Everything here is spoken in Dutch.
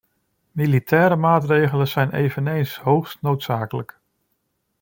Militaire maatregelen zijn eveneens hoogst noodzakelijk.